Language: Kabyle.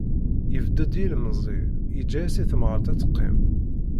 Yebded yilemẓi, yeǧǧa-as i temɣart ad teqqim